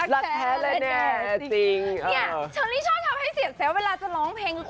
เดินที่ร้านหุ่น